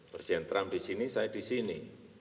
presiden trump di sini saya di sini